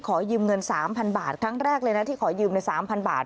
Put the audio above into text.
ขอยืมเงิน๓๐๐บาทครั้งแรกเลยนะที่ขอยืมใน๓๐๐บาท